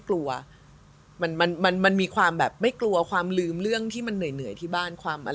คิดว่ามันไม่กลัวความลือมเรื่องที่เหนื่อยที่บ้าน